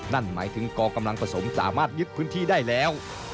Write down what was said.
นั่นหมายถึงกองกำลังผสมสามารถยึดพื้นที่ได้แล้ว